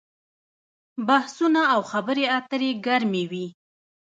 بحثونه او خبرې اترې ګرمې وي.